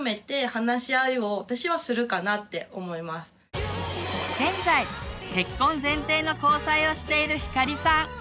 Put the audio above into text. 私だったらちゃんと現在結婚前提の交際をしているひかりさん。